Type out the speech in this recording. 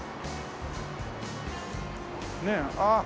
ねえああ。